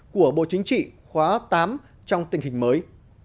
của bộ chính trị khóa tám trong tình hình mới